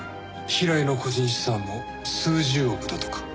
平井の個人資産も数十億だとか。